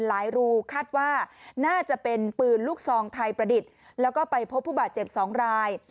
รูคาดว่าน่าจะเป็นปืนลูกซองไทยประดิษฐ์แล้วก็ไปพบผู้บาดเจ็บ๒ราย